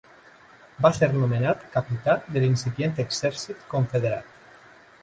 Va ser nomenat capità de l'incipient exèrcit confederat.